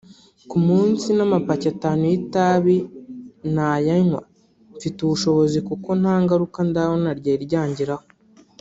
Ku munsi n’amapaki atanu y’itabi nayanywa mfite ubushobozi kuko nta ngaruka ndabona ryari ryangiraho